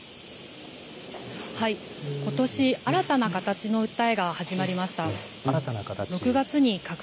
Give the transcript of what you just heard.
ことし、新たな形の訴えが始まりました。